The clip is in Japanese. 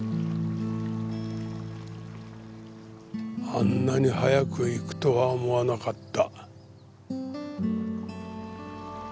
あんなに早く逝くとは思わなかった。